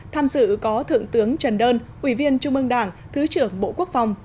tham dự có thượng tướng trần đơn ủy viên trung ương đảng thứ trưởng bộ quốc phòng